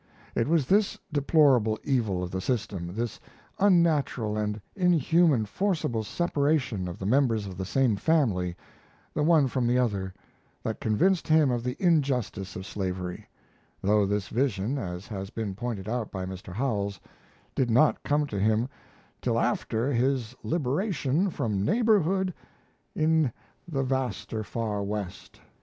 It was this deplorable evil of the system, this unnatural and inhuman forcible separation of the members of the same family, the one from the other, that convinced him of the injustice of slavery; though this vision, as has been pointed out by Mr. Howells, did not come to him "till after his liberation from neighbourhood in the vaster far West."